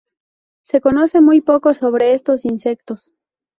Se conoce muy poco sobre estos insectos.